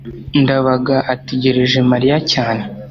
ndabaga ategereje mariya cyane